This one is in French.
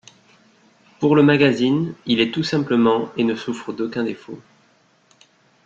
Pour le magazine ', il est tout simplement et ne souffre d’aucun défaut.